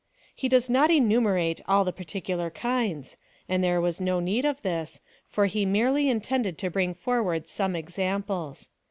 He does not enumerate all the parti cular kinds, and there was no need of this, for he merely intended to bring foi'w^ard some examples.